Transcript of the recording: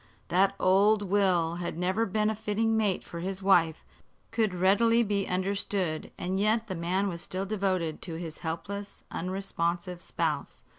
That old Will had never been a fitting mate for his wife could readily be understood, and yet the man was still devoted to his helpless, unresponsive spouse.